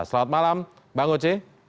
selamat malam bang oc